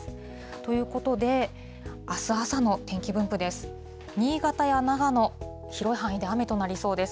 ということで、あす朝の天気分布です。